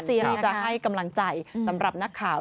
ที่จะให้กำลังใจสำหรับนักข่าว